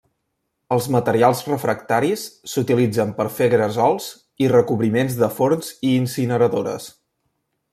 Els materials refractaris s'utilitzen per fer gresols i recobriments de forns i incineradores.